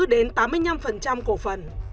đến tám mươi năm cổ phần